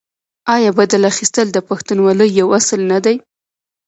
آیا بدل اخیستل د پښتونولۍ یو اصل نه دی؟